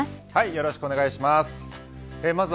よろしくお願いします。